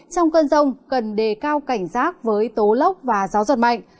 trong cơn rông cần đề cao cảnh giác với tố lốc và gió giật mạnh